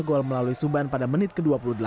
gol melalui suban pada menit ke dua puluh delapan